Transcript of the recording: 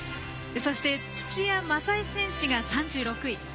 そして、土屋正恵選手が３６位。